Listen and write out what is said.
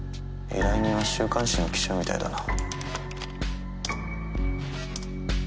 依頼人は週刊誌の記者みたいだな。